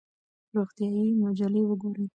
روغتیایي مجلې وګورئ.